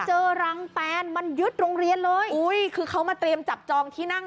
เจอรังแตนมันยึดโรงเรียนเลยอุ้ยคือเขามาเตรียมจับจองที่นั่ง